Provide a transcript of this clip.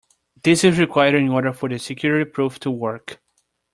This is required in order for the security proof to work.